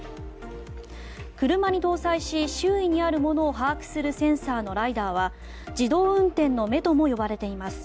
車に搭載し周囲にあるものを把握するセンサーのＬｉＤＡＲは自動運転の目とも呼ばれています。